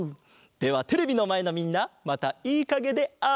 ではテレビのまえのみんなまたいいかげであおう！